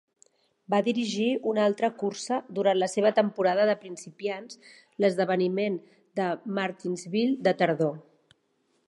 Va dirigir una altra cursa durant la seva temporada de principiants, l'esdeveniment de Martinsville de tardor.